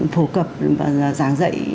phổ cập giảng dạy